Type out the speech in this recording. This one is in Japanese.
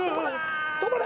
止まれ！